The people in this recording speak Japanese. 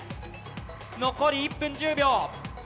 残り１分１０秒。